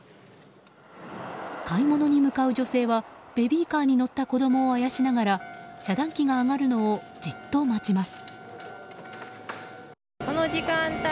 買い物に向かう女性はベビーカーに乗った子供をあやしながら遮断機が上がるのをじっと待ちます。